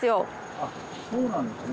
あっそうなんですね。